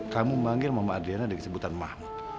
kamu manggil mama adriana dengan kesebutan mahmud